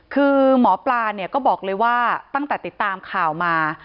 คือหมอปลาเนี่ยก็บอกเลยว่าตั้งแต่ติดตามข่าวมา